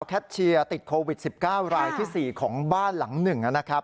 แคทเชียร์ติดโควิด๑๙รายที่๔ของบ้านหลังหนึ่งนะครับ